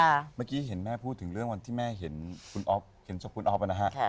เมื่อกี้เห็นแม่พูดถึงเรื่องวันที่แม่เจอคุณอฟ